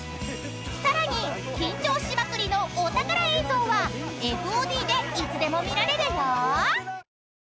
［さらに緊張しまくりのお宝映像はＦＯＤでいつでも見られるよ］